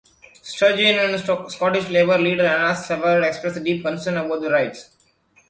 Sturgeon and Scottish Labour leader Anas Sarwar expressed deep concern about the raids.